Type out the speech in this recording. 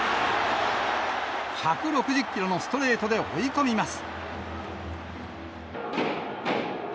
１６０キロのストレートで追い込みます。